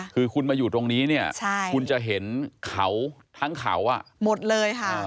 คือคุณมาอยู่ตรงนี้เนี่ยคุณจะเห็นเขาทั้งเขาหมดเลยค่ะ